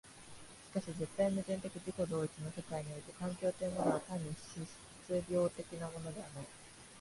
しかし絶対矛盾的自己同一の世界において環境というのは単に質料的なものではない。